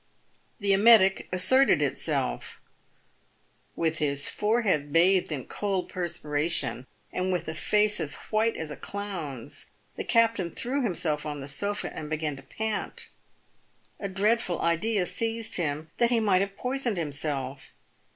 The emetic asserted itself. With his forehead bathed in cold per spiration, and with a face as white as a clown's, the captain threw him self on the sofa and began to pant. A dreadful idea seized him, that he might have poisoned himself.